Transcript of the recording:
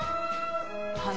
はい。